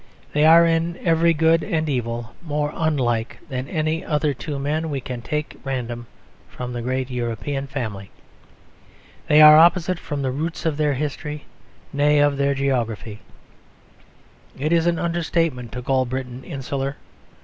They are, in everything good and evil, more unlike than any other two men we can take at random from the great European family. They are opposite from the roots of their history, nay, of their geography. It is an understatement to call Britain insular.